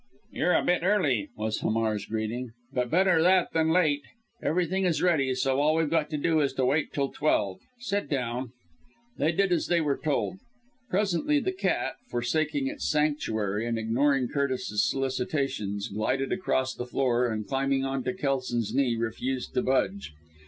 "You're a bit early!" was Hamar's greeting, "but better that than late. Everything is ready, and all we've got to do is to wait till twelve. Sit down." They did as they were bid. Presently the cat, forsaking its sanctuary, and ignoring Curtis's solicitations, glided across the floor, and climbing on to Kelson's knee, refused to budge.